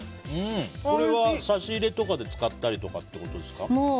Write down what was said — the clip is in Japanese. これは差し入れとかで使ったりとかってことですか。